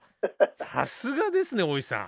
さすがですね大石さん。